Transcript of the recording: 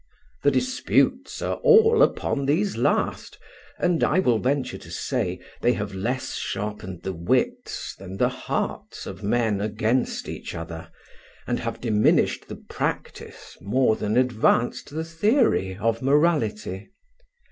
The disputes are all upon these last, and, I will venture to say, they have less sharpened the wits than the hearts of men against each other, and have diminished the practice more than advanced the theory of Morality.